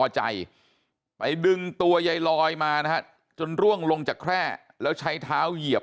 พอใจไปดึงตัวยายลอยมานะฮะจนร่วงลงจากแคร่แล้วใช้เท้าเหยียบ